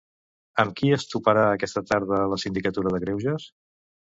Amb qui es toparà aquesta tarda la Sindicatura de Greuges?